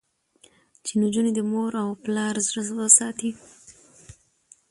چې نجونې د مور او پلار زړه وساتي.